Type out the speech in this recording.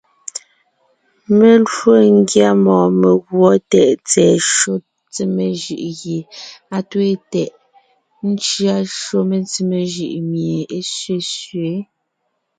Mé lwo ńgyá mɔɔn meguɔ tɛʼ tsɛ̀ɛ shÿó tsemé jʉʼ gie á twéen tɛʼ, ńcʉa shÿó metsemé jʉʼ mie é sẅesẅě.